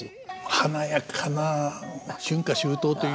華やかな「春夏秋冬」という。